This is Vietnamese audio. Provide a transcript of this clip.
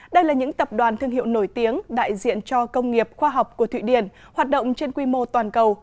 đây là những tập đoàn thương hiệu nổi tiếng đại diện cho công nghiệp khoa học của thụy điển hoạt động trên quy mô toàn cầu